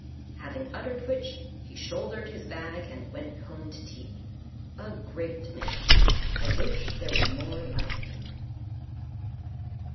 Having uttered which, he shouldered his bag and went home to tea. A great man. I wish there were more like him.